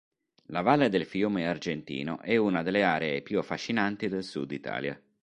La Valle del Fiume Argentino è una delle aree più affascinanti del sud Italia.